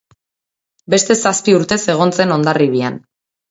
Beste zazpi urtez egon zen Hondarribian.